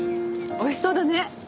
おいしそうだね！